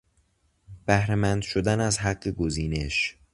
بهرهمند شدن از حق گزینش